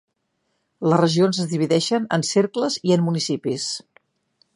Les regions es divideixen en cercles i en municipis.